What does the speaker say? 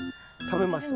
食べます。